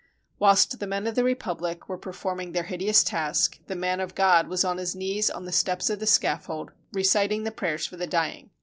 Whilst the men of the Republic were performing their hideous task, the man of God was on his knees on the steps of the scaffold, reciting the prayers for the dying.